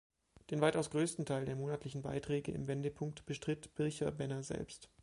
Den weitaus größten Teil der monatlichen Beiträge im «Wendepunkt» bestritt Bircher-Benner selbst.